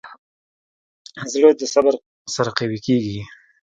زړه د صبر سره قوي کېږي.